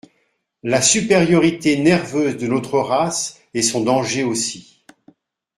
La supériorité nerveuse de notre race est son danger aussi.